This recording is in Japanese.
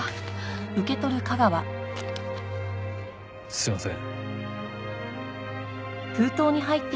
すいません。